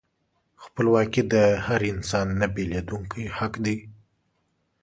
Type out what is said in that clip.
خپلواکي د هر انسان نهبیلېدونکی حق دی.